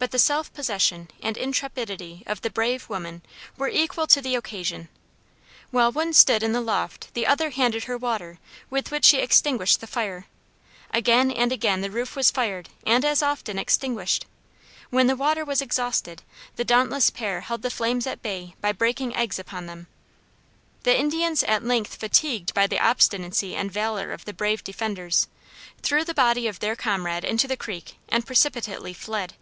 But the self possession and intrepidity of the brave women were equal to the occasion. While one stood in the loft the other handed her water with which she extinguished the fire. Again and again the roof was fired, and as often extinguished. When the water was exhausted, the dauntless pair held the flames at bay by breaking eggs upon them. The Indians, at length fatigued by the obstinacy and valor of the brave defenders, threw the body of their comrade into the creek and precipitately fled.